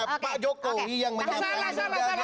pak jokowi yang menjabarkan